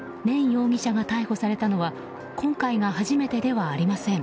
容疑者が逮捕されたのは今回が初めてではありません。